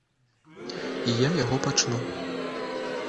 І я яго пачну.